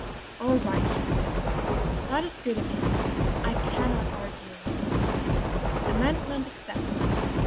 "All right," she said. "That is good of you. I cannot argue with you. Amendment accepted!